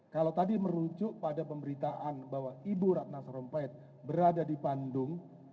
kalau tadi merujuk pada pemberitaan bahwa ibu ratna sarumpait berada di bandung